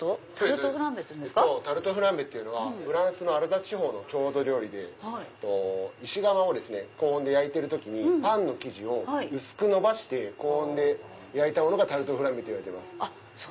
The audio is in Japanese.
タルトフランベはフランスのアルザス地方の郷土料理で石窯を高温で焼いてる時にパンの生地を薄くのばして高温で焼いたものがタルトフランベっていわれてます。